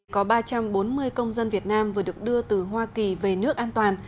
có ba trăm bốn mươi công dân việt nam vừa được đưa từ hoa kỳ về nước an toàn